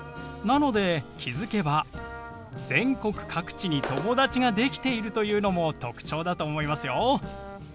なので気付けば全国各地に友達が出来ているというのも特徴だと思いますよ。